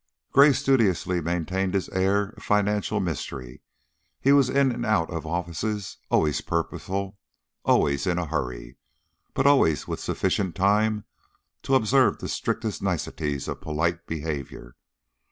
Gray studiously maintained his air of financial mystery; he was in and out of offices, always purposeful, always in a hurry, but always with sufficient time to observe the strictest niceties of polite behavior.